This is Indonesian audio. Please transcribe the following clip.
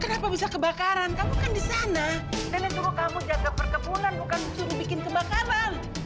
kenapa bisa kebakaran kamu kan di sana nenek tunggu kamu jaga perkebunan bukan suruh bikin kebakaran dasar orang goblok